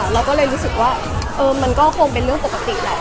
เราก็เลยรู้สึกว่ามันก็คงเป็นเรื่องปกติแหละ